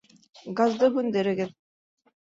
Газды һүндерегеҙ